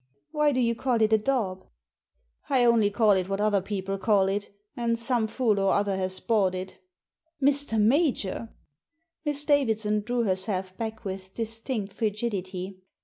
"Why do you call it a daub ?"^I only call it what other people call it, and some fool or other has bought it !"" Mr. Major !Miss Davidson drew herself back with distinct frigidity.